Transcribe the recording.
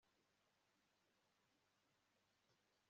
urwo rubanza rurandenze